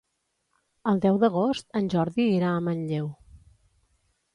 El deu d'agost en Jordi irà a Manlleu.